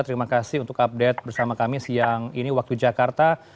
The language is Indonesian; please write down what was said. terima kasih untuk update bersama kami siang ini waktu jakarta